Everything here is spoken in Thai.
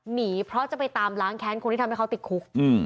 หนีเพราะจะไปตามล้างแค้นคนที่ทำให้เขาติดคุก